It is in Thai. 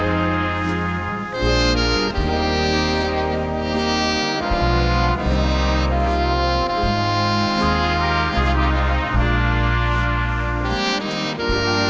รักเป็นสิ้นที่สุดท้ายรักเป็นสิ้นที่สุดท้าย